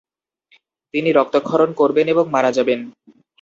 তিনি রক্তক্ষরণ করবেন এবং মারা যাবেন।